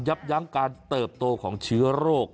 ยั้งการเติบโตของเชื้อโรค